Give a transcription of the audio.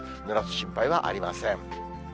ぬらす心配はありません。